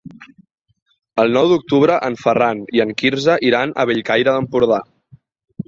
El nou d'octubre en Ferran i en Quirze iran a Bellcaire d'Empordà.